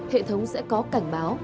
hệ thống sẽ có cảnh báo